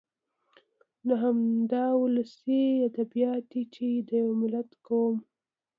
نو همدا ولسي ادبيات دي چې د يوه ملت ، قوم